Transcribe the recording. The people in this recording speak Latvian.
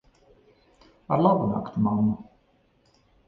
Ar labu nakti, mammu.